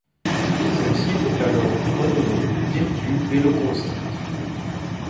Celle-ci est alors renommée Virtu-Veloconcept.